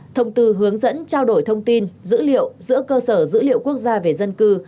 thông tư hướng dẫn trao đổi thông tin dữ liệu giữa cơ sở dữ liệu quốc gia về dân cư